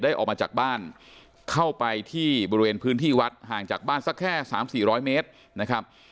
ออกมาจากบ้านเข้าไปที่บริเวณพื้นที่วัดห่างจากบ้านสักแค่สามสี่ร้อยเมตรนะครับ